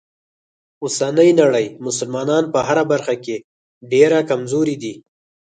اوسنۍ نړۍ مسلمانان په هره برخه کې ډیره کمزوری دي.